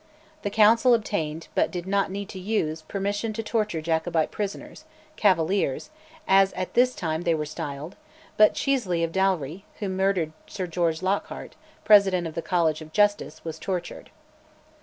The council obtained, but did not need to use, permission to torture Jacobite prisoners, "Cavaliers" as at this time they were styled; but Chieseley of Dalry, who murdered Sir George Lockhart, President of the College of Justice, was tortured.